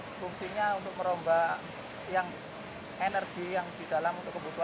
fungsinya untuk merombak energi yang di dalam untuk pemerintah